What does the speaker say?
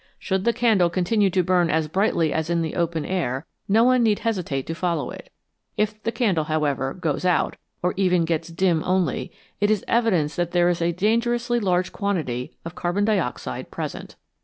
Should the candle continue to burn as brightly as in the open air, no one need hesitate to follow it. If the candle, however, goes out, or even gets dim only, it is evidence that there is a dangerously large quantity of carbon dioxide present.